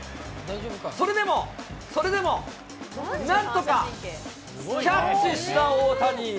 それでも、それでも、なんとかキャッチした大谷。